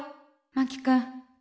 真木君。